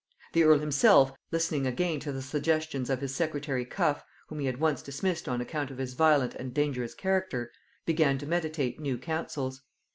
The earl himself, listening again to the suggestions of his secretary Cuff, whom he had once dismissed on account of his violent and dangerous character, began to meditate new counsels.